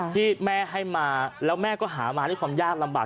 ที่แม่ให้มาแล้วแม่ก็หามาด้วยความยากลำบาก